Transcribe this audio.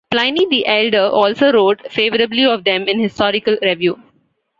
Pliny the Elder also wrote favourably of them in historical review.